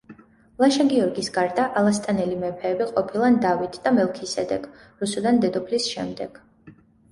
ლაშა-გიორგის გარდა ალასტანელი მეფეები ყოფილან დავით და მელქისედეკ რუსუდან დედოფლის შემდეგ.